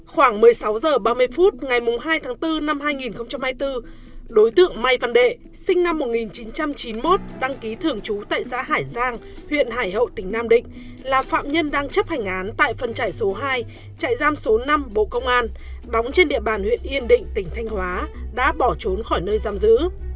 khoảng một mươi sáu h ba mươi phút ngày hai tháng bốn năm hai nghìn hai mươi bốn đối tượng mai văn đệ sinh năm một nghìn chín trăm chín mươi một đăng ký thường trú tại xã hải giang huyện hải hậu tỉnh nam định là phạm nhân đang chấp hành án tại phần trại số hai trại giam số năm bộ công an đóng trên địa bàn huyện yên định tỉnh thanh hóa đã bỏ trốn khỏi nơi giam giữ